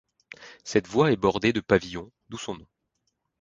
Cette voie est bordée de pavillons d’où son nom.